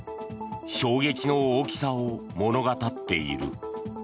衝撃の大きさを物語っている。